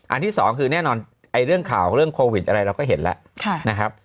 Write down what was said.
อันที่๒คือแน่นอนเรื่องข่าวเรื่องโควิดอะไรเราก็เห็นแล้ว